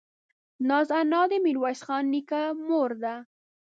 نازو انا دې ميرويس خان نيکه مور ده.